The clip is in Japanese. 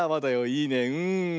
いいねうん。